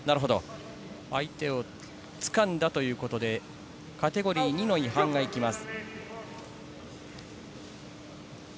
相手をつかんだということでカテゴリー２の違反が行きます。